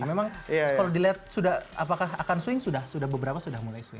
memang kalau dilihat sudah apakah akan swing sudah beberapa sudah mulai swing